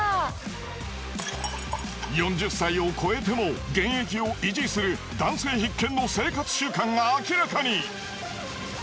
４０歳を超えても現役を維持する男性必見の生活習慣が明らかに。